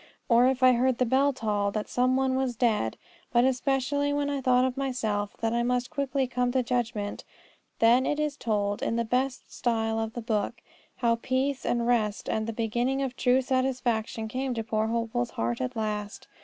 Or if I heard the bell toll that some one was dead. But, especially, when I thought of myself that I must quickly come to judgment. And then it is told in the best style of the book how peace and rest and the beginning of true satisfaction came to poor Hopeful's heart at last.